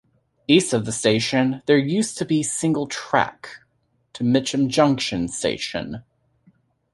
East of the station there used to be single track to Mitcham Junction Station.